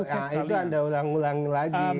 nah itu anda ulang ulang lagi